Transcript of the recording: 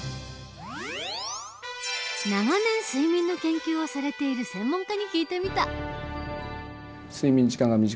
長年睡眠の研究をされている専門家に聞いてみた。